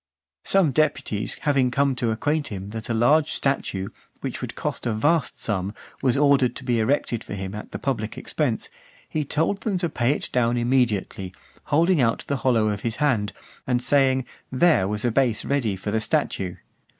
Some deputies having come to acquaint him that a large statue, which would cost a vast sum, was ordered to be erected for him at the public expense, he told them to pay it down immediately, (461) holding out the hollow of his hand, and saying, "there was a base ready for the statue."